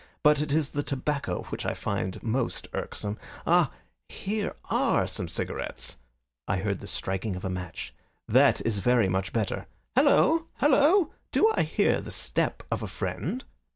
But it is the tobacco which I find most irksome. Ah, here ARE some cigarettes." I heard the striking of a match. "That is very much better. Halloa! halloa! Do I hear the step of a friend?"